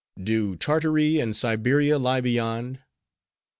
Do Tartary and Siberia lie beyond?